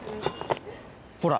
ほら。